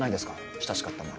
親しかったんなら。